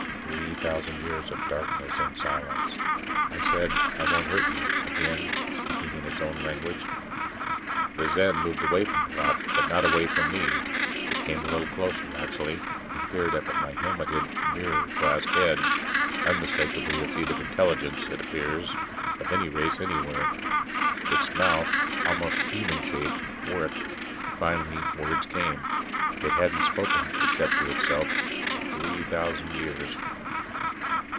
Three thousand years of darkness and silence ... I said, "I won't hurt you," again speaking in its own language. The Zen moved away from the rock, but not away from me. It came a little closer, actually, and peered up at my helmeted, mirror glassed head unmistakably the seat of intelligence, it appears, of any race anywhere. Its mouth, almost human shaped, worked; finally words came. It hadn't spoken, except to itself, for three thousand years.